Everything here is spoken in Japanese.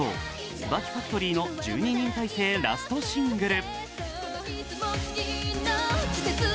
つばきファクトリーの１２人体制ラストシングル。